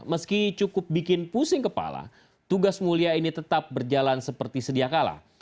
meski cukup bikin pusing kepala tugas mulia ini tetap berjalan seperti sedia kala